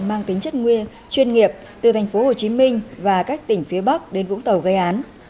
mang tính chất nguyên chuyên nghiệp từ thành phố hồ chí minh và các tỉnh phía bắc đến vũng tàu gây án